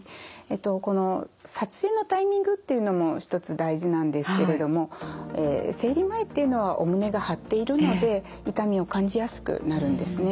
この撮影のタイミングっていうのも１つ大事なんですけれども生理前っていうのはお胸が張っているので痛みを感じやすくなるんですね。